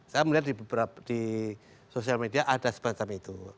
saya melihat di sosial media ada semacam itu